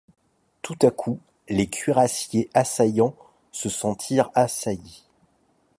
Tout à coup les cuirassiers, assaillants, se sentirent assaillis.